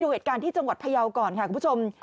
เหตุการณ์ที่จังหวัดพยาวก่อนค่ะคุณผู้ชม